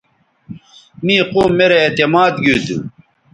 می قوم میرے اعتماد گیوتھو